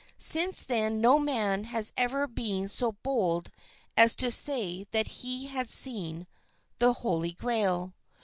Since then no man has ever been so bold as to say that he had seen the Holy Grail.